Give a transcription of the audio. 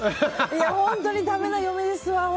本当に駄目な嫁ですわ。